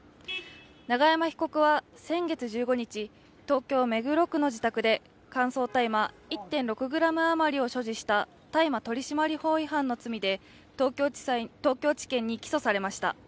永山被告は先月１５日東京・目黒区の自宅で乾燥大麻１．６ｇ余りを所持した大麻取締法違反の罪で東京地検に起訴されました。